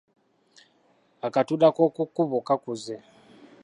Akatula k’oku kkubo kakuze.